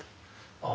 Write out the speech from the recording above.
ああ。